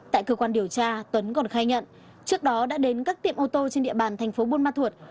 tại cơ quan điều tra tuấn còn khai nhận trước đó đã đến các tiệm ô tô trên địa bàn thành phố buôn ma thuột